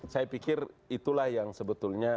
saya pikir itulah yang sebetulnya